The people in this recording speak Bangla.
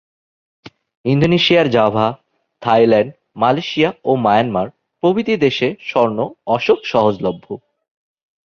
ইন্দোনেশিয়ার জাভা, থাইল্যান্ড, মালয়েশিয়া ও মিয়ানমার প্রভৃতি দেশে স্বর্ণ অশোক সহজলভ্য।